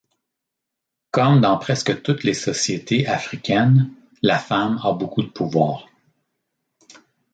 Comme dans presque toutes les sociétés africaines, la femme a beaucoup de pouvoir.